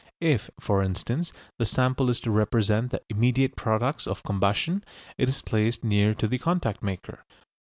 If, for instance, the sample is to represent the immediate products of combustion, it is placed near to the contact maker.